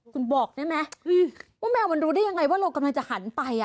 คุณบอกได้ไหมว่าแมวมันรู้ได้ยังไงว่าเรากำลังจะหันไป